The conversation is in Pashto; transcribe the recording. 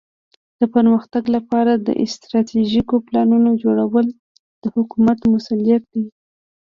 د پرمختګ لپاره د استراتیژیکو پلانونو جوړول د حکومت مسؤولیت دی.